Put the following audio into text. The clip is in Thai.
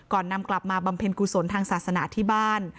นำกลับมาบำเพ็ญกุศลทางศาสนาที่บ้าน